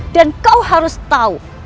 dan kau harus tahu